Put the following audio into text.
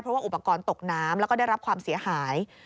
เพราะว่าอุปกรณ์ตกน้ำแล้วก็ได้รับความเสียหาย